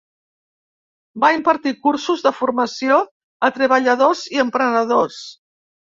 Va impartir cursos de formació a treballadors i emprenedors.